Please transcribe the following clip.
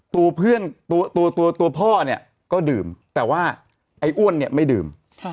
ตัวตัวพ่อเนี่ยก็ดื่มแต่ว่าไอ้อ้วนเนี่ยไม่ดื่ม